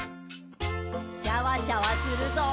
シャワシャワするぞ。